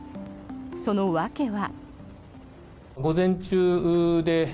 その訳は。